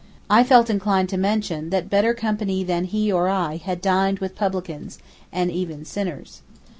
I felt inclined to mention that better company than he or I had dined with publicans, and even sinners.